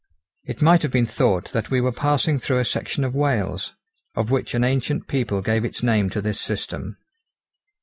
It might have been thought that we were passing through a section of Wales, of which an ancient people gave its name to this system.